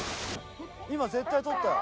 今絶対捕ったよ。